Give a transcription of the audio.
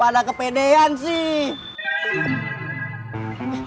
mana kepedean sih